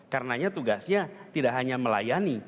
karenanya tugasnya tidak hanya melayani